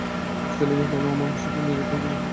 আমার ছেলেকে কেন আমার সাথে যেতে দিবেন না?